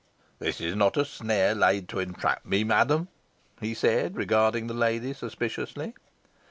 "This is not a snare laid to entrap me, madam?" he said, regarding the lady suspiciously.